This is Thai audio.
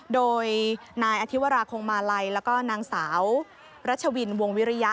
โดยนายอธิวราคงมาลัยแล้วก็นางสาวรัชวินวงวิริยะ